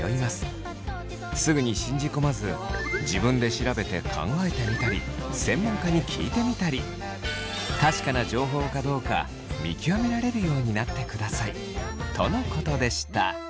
すぐに信じ込まず自分で調べて考えてみたり専門家に聞いてみたり確かな情報かどうか見極められるようになってください。とのことでした。